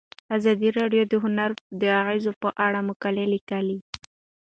ازادي راډیو د هنر د اغیزو په اړه مقالو لیکلي.